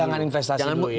jangan investasi dulu ya